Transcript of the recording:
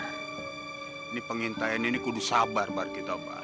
ini pengintai ini kudus sabar pak